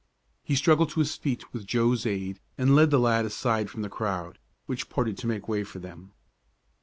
He struggled to his feet with Joe's aid and led the lad aside from the crowd, which parted to make way for them.